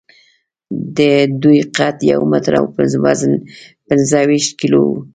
د دوی قد یو متر او وزن پینځهویشت کیلو و.